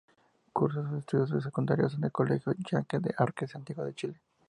Cursó sus estudios secundarios en el Colegio Jeanne D'Arc de Santiago de Chile.